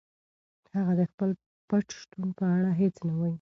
هغه د خپل پټ شتون په اړه هیڅ نه وايي.